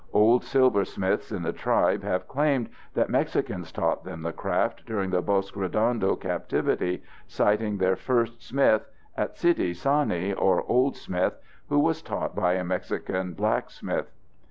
Old silversmiths in the tribe have claimed that Mexicans taught them the craft during the Bosque Redondo captivity, citing their first smith, Atsidi Sani or "Old Smith," who was taught by a Mexican blacksmith.